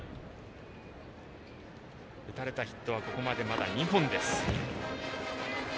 打たれたヒットはここまでまだ２本です。